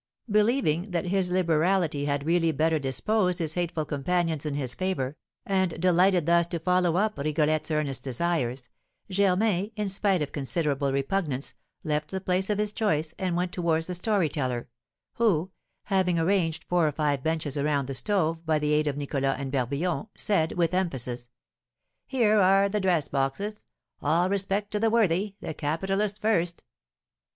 Believing that his liberality had really better disposed his hateful companions in his favour, and delighted thus to follow up Rigolette's earnest desires, Germain, in spite of considerable repugnance, left the place of his choice, and went towards the story teller, who, having arranged four or five benches around the stove, by the aid of Nicholas and Barbillon, said, with emphasis: "Here are the dress boxes. All respect to the worthy the capitalist first."